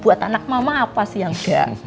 buat anak mama apa sih yang